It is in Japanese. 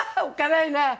おっかないな！